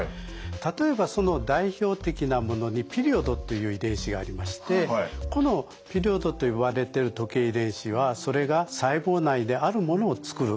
例えばその代表的なものにピリオドという遺伝子がありましてこのピリオドと言われてる時計遺伝子はそれが細胞内であるものを作る。